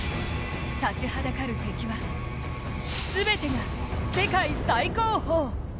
立ちはだかる敵はすべてが世界最高峰。